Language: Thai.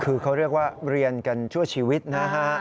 คือเขาเรียกว่าเรียนกันชั่วชีวิตนะฮะ